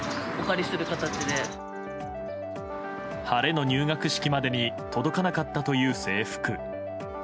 晴れの入学式までに届かなかったという制服。